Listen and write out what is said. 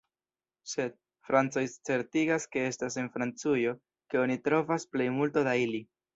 Sed... francoj certigas ke estas en Francujo ke oni trovas plej multo da ili.